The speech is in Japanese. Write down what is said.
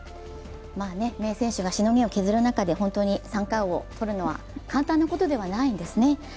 まあね、名選手がしのぎを削る中で本当に三冠王を取るのは簡単なことではないんですね。